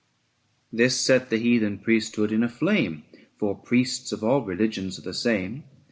This set the heathen priesthood in a flame, For priests of all religions are the same.